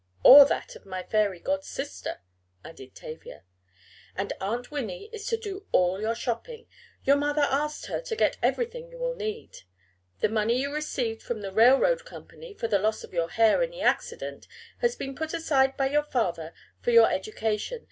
"Or that of my fairy godsister," added Tavia. "And Aunt Winnie is to do all your shopping. Your mother asked her to get everything you will need. The money you received from the railroad company for the loss of your hair in the accident has been put aside by your father for your education.